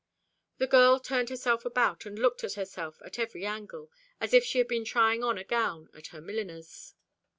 The girl turned herself about, and looked at herself at every angle, as if she had been trying on a gown at her milliner's.